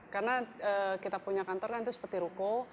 karena kita punya kantor kan itu seperti ruko